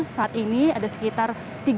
saat ini ada sekitar tiga delapan ratus satu